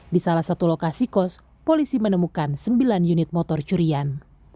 di salah satu lokasi kos polisi menemukan sembilan unit motor curian